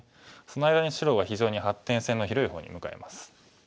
その間に白は非常に発展性の広い方に向かいます。